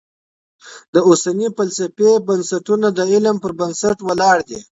د اوسنۍ فلسفې بنسټونه د علم پر بنسټ ولاړ دي.